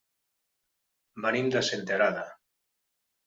Venim de Senterada.